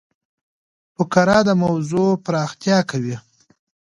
فقره د موضوع پراختیا کوي.